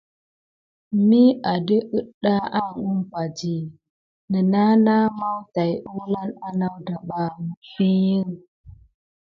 Mi ade əɗɗa aŋ umpa di, nənah na maw tay ulane anawda ɓa. Məfi i.